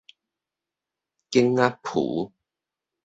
莿仔埒